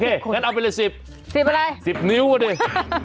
โอเคงั้นเอาไปเลย๑๐นิ้วก่อนเลย